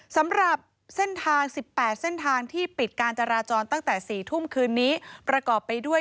สำหรับเส้นทาง๑๘เส้นทางที่ปิดการจราจรตั้งแต่๔ทุ่มคืนนี้ประกอบไปด้วย